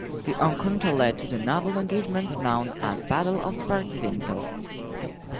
The encounter led to the naval engagement known as Battle of Spartivento.